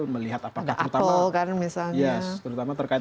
melihat apakah misalnya terkait